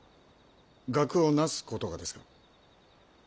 学をなすことがですか？